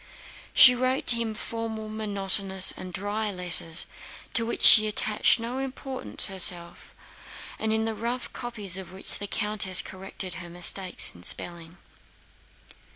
She wrote to him formal, monotonous, and dry letters, to which she attached no importance herself, and in the rough copies of which the countess corrected her mistakes in spelling.